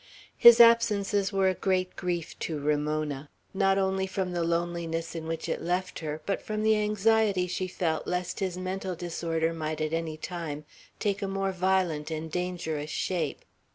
His absences were a great grief to Ramona, not only from the loneliness in which it left her, but from the anxiety she felt lest his mental disorder might at any time take a more violent and dangerous shape.